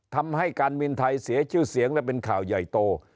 ทำให้การบินไทยเสียชื่อเสียงและเป็นข่าวใหญ่โต